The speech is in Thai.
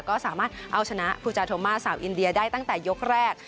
ก็สามารถเอาชนะภูจาโทมาสาวอินเดียได้ตั้งแต่ยกแรก